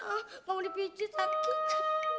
aduh aduh aduh aduh